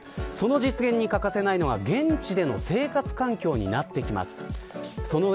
その実現に欠かせないのは現地での生活環境になってきます。